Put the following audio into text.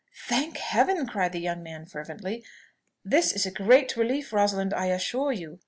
"Thank Heaven!" cried the young man fervently. "This is a great relief, Rosalind, I assure you.